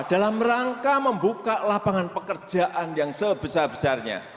dalam rangka membuka lapangan pekerjaan yang sebesar besarnya